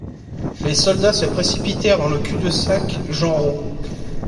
Les soldats se précipitèrent dans le cul-de-sac Genrot.